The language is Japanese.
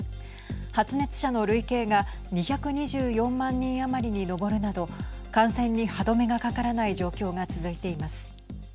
発熱者の累計が２２４万人余りに上るなど感染に歯止めがかからない状況が続いています。